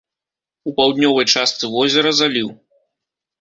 У паўднёвай частцы возера заліў.